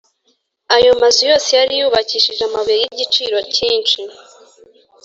Ayo mazu yose yari yubakishije amabuye y’igiciro cyinshi